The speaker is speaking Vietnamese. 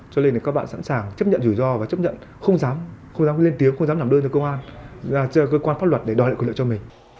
cho nên các bạn sẵn sàng chấp nhận rủi ro và chấp nhận không dám lên tiếng không dám làm đơn cho cơ quan pháp luật để đòi lại quyền lợi cho mình